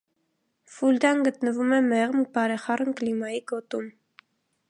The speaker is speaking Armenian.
Ֆուլդան գտնվում է մեղմ, բարեխառն կլիմայի գոտում։